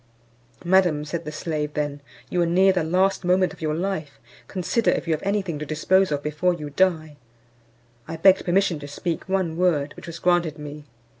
"Madam," said the slave then, "you are near the last moment of your life, consider if you have any thing to dispose of before you die." I begged permission to speak one word, which was granted me.